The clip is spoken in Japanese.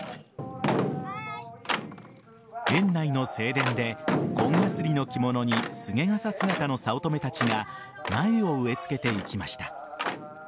園内の井田で紺がすりの着物に菅笠姿の早乙女たちが苗を植えつけていきました。